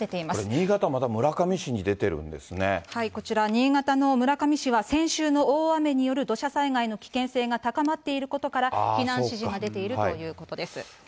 これ、新潟、こちら、新潟の村上市は、先週の大雨による土砂災害の危険性が高まっていることから、避難指示が出ているということです。